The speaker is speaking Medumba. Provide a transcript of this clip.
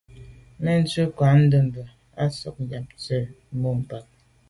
Mɛ́n cwɛ̌d krwâ' ndɛ̂mbə̄ á cwɛ̌d tsjɑ́ŋə́ zə̄ tâp bû mâp.